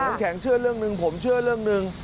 น้ำแข็งเชื่อเรื่องหนึ่งผมเชื่อเรื่องหนึ่ง